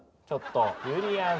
ちょっと。